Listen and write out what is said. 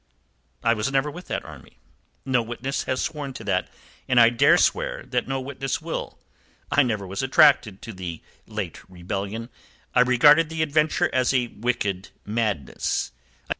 "I was never with that army. No witness has sworn to that, and I dare swear that no witness will. I never was attracted to the late rebellion. I regarded the adventure as a wicked madness.